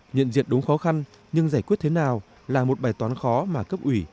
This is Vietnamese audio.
nhận diện đúng khó khăn nhưng giải quyết thế nào là một bài toán khó mà cấp ủy